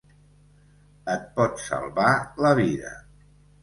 Et pot salvar la vida.